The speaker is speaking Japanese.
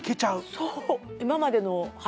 そう！